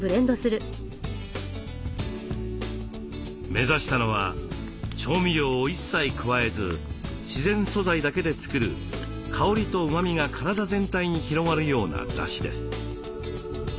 目指したのは調味料を一切加えず自然素材だけで作る香りとうまみが体全体に広がるようなだしです。